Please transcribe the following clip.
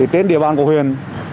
tên địa bàn của huyền